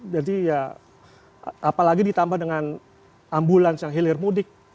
jadi ya apalagi ditambah dengan ambulans yang hilir mudik